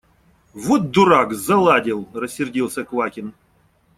– Вот дурак – заладил! – рассердился Квакин.